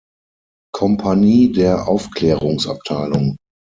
Kompanie der Aufklärungsabteilung.